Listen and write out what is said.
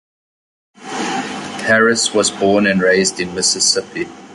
Harris was born and raised in Mississippi.